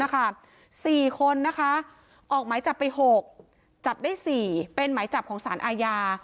๔คนออกหมายจับไป๖จับได้๔เป็นหมายจับของสารอาญา